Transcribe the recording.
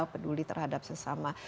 peduli terhadap sesama